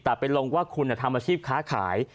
แต่ไปลงว่าคุณทำอาชีพค้าขาย